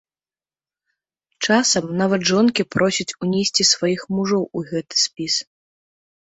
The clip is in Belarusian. Часам нават жонкі просяць унесці сваіх мужоў у гэты спіс.